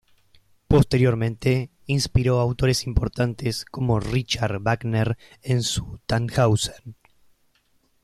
Posteriormente inspiró a autores importantes, como Richard Wagner en su Tannhäuser.